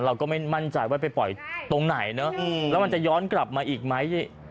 เราก็ไม่มั่นใจว่าไปปล่อยตรงไหนเนอะแล้วมันจะย้อนกลับมาอีกไหม